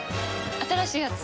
新しいやつ？